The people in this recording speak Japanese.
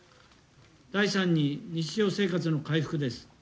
第３に、日常生活の回復です。